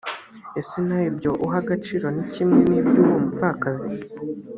ese nawe ibyo uha agaciro ni kimwe n ibyo uwo mupfakazi